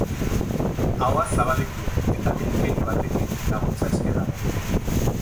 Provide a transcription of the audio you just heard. Ahoa zabalik du eta min keinu batekin, laguntza eske dago.